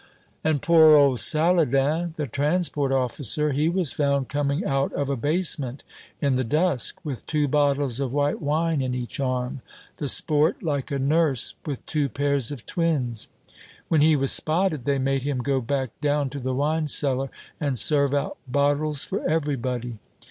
"And poor old Saladin, the transport officer. He was found coming out of a basement in the dusk with two bottles of white wine in each arm, the sport, like a nurse with two pairs of twins. When he was spotted, they made him go back down to the wine cellar, and serve out bottles for everybody.